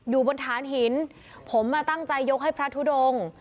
อยู่บนฐานหินผมมาตั้งใจยกให้พระทุดง